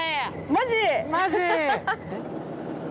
マジ！